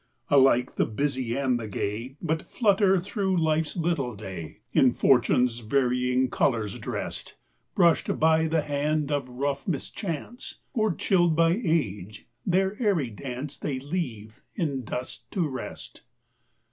Alike the busy and the gay But flutter thro' life's little day, In Fortune's varying colours drest: Brush'd by the hand of rough Mischance, Or chill'd by Age, their airy dance They leave, in dust to rest.